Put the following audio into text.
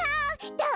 どう？